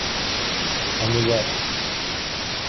Anılar.